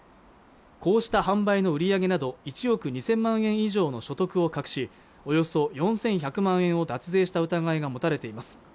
こうした販売の売り上げなど１億２０００万円以上の所得を隠しおよそ４１００万円を脱税した疑いが持たれています